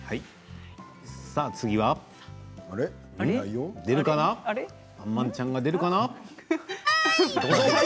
次はあんまんちゃんが出るから。